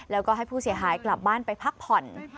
แล้วก็ให้ผู้เสียหายกลับบ้านไปพักผ่อน